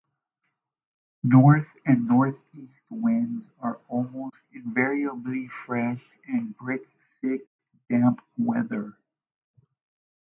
North and northeast winds are almost invariably fresh and bring thick, damp weather.